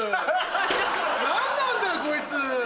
何なんだよこいつ！